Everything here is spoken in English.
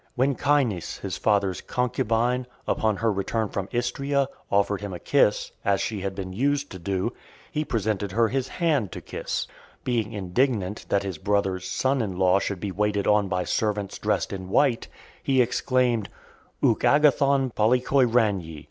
When Caenis, his father's concubine, upon her return from Istria, offered him a kiss, as she had been used to do, he presented her his hand to kiss. Being indignant, that his brother's son in law should be waited on by servants dressed in white , he exclaimed, ouk agathon polykoiraniae.